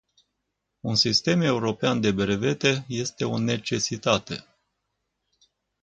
Un sistem european de brevete este o necesitate.